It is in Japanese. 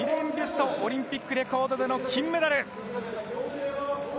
ビュストはオリンピックレコードでの金メダル！